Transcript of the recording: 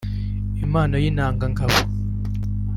Impano y’intanga ngabo